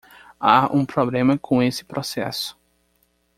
Há um problema com esse processo.